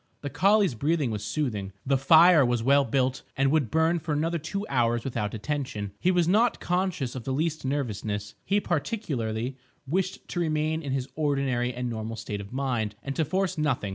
The collie's breathing was soothing. The fire was well built, and would burn for another two hours without attention. He was not conscious of the least nervousness. He particularly wished to remain in his ordinary and normal state of mind, and to force nothing.